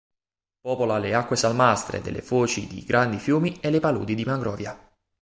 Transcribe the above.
Popola le acque salmastre delle foci di grandi fiumi e le paludi di mangrovia.